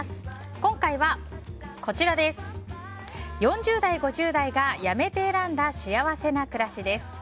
今回は、４０代・５０代がやめて選んだ幸せな暮らしです。